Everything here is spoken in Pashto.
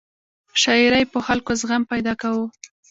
شاعرۍ په خلکو کې زغم پیدا کاوه.